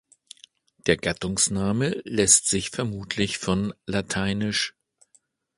Der Gattungsname lässt sich vermutlich von lat.